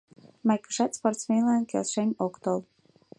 Майкыжат спортсменлан келшен ок тол.